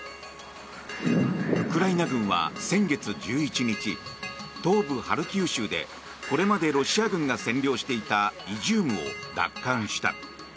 ウクライナ軍は先月１１日東部ハルキウ州でこれまでロシア軍が占領していたイジュームを奪還した。